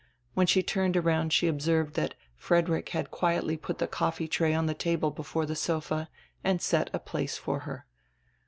When she turned around she observed diat Frederick had quietiy put die coffee tray on die table before the sofa and set a place for her.